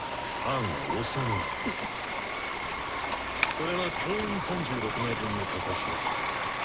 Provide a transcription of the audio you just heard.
これは「教員」３６名分の許可書。